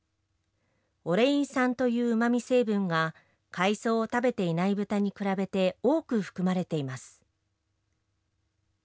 オレイン酸といううまみ成分が海藻を食べていない豚に比べて多く含まれています。